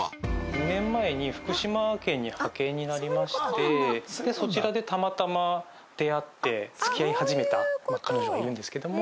２年前に福島県に派遣になりましてそちらでたまたま出会って付き合い始めた彼女がいるんですけども。